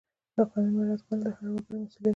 د قانون مراعات کول د هر وګړي مسؤلیت دی.